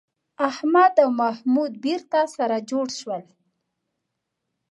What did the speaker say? احمد او محمود بېرته سره جوړ شول